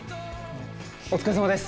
お疲れさまです